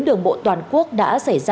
đường bộ toàn quốc đã xảy ra